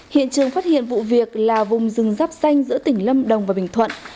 hiện trường phát hiện vụ việc là vùng rừng rắp xanh giữa tỉnh lâm đồng và bình thuận